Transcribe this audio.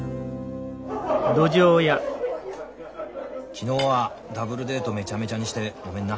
昨日はダブルデートめちゃめちゃにしてごめんな。